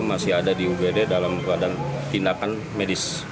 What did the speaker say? masih ada di ugd dalam keadaan tindakan medis